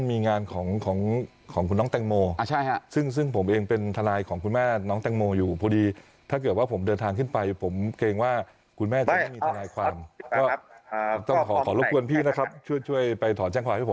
แม้จะไม่มีทนายความขอรบควรพี่นะครับช่วยไปถอดแจ้งความให้ผม